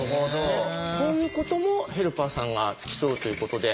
こういうこともヘルパーさんが付き添うということで。